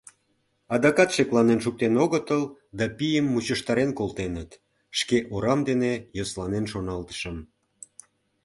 «Адакат шекланен шуктен огытыл да пийым мучыштарен колтеныт! — шке орам дене йӧсланен шоналтышым.